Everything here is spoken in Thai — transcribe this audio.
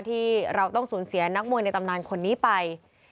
ที่เราต้องสูญเสียนักมวยในตำนานคนนี้ไป